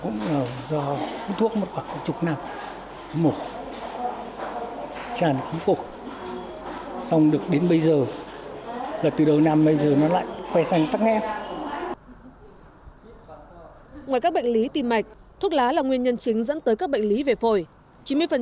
ngoài các bệnh lý tim mạch thuốc lá là nguyên nhân chính dẫn tới các bệnh lý về phổi